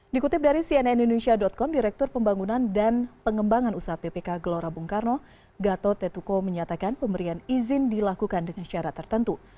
dikutip dari cnn indonesia com direktur pembangunan dan pengembangan usaha ppk gelora bung karno gatot tetuko menyatakan pemberian izin dilakukan dengan syarat tertentu